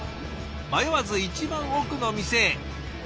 迷わず一番奥の店へ。